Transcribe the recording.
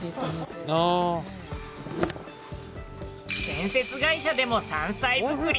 建設会社でも山菜作り。